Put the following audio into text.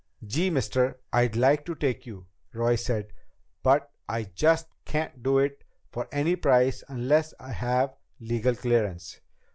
"Gee, mister, I'd like to take you," Roy said, "but I just can't do it for any price unless I have legal clearance."